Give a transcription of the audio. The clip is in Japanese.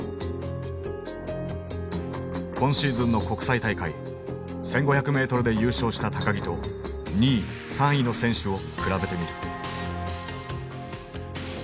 今シーズンの国際大会１，５００ｍで優勝した木と２位３位の選手を比べてみる。